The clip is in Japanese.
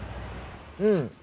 うん。